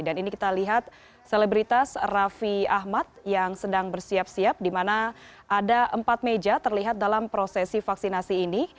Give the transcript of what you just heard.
dan ini kita lihat selebritas raffi ahmad yang sedang bersiap siap di mana ada empat meja terlihat dalam prosesi vaksinasi ini